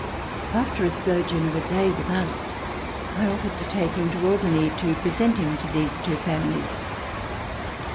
After a sojourn of a day with us, I offered to take him to Albany to present him to these two famiUes.